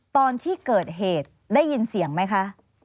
ตอนที่เกิดเหตุได้ยินเสียงไหมคะ